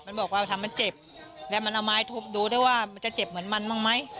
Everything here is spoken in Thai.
มันบอกว่าทำมันเจ็บแล้วมันเอาไม้ทุบดูด้วยว่ามันจะเจ็บเหมือนมันบ้างไหม